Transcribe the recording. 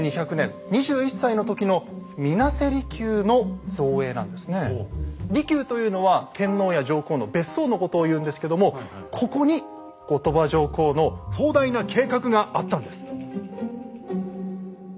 「離宮」というのは天皇や上皇の別荘のことを言うんですけどもここに後鳥羽上皇の壮大な計画があったんです。